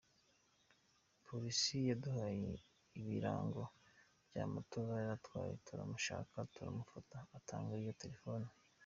Polisi yaduhaye ibirango bya moto yari atwaye turamushaka turamufata atanga iyo telefone.